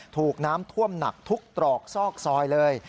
ถูกน้ำท่วมหนักทุกตรอกซอกซอยเลย